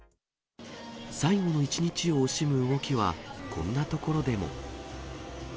最後の１日を惜しむ動きはこんな所でも。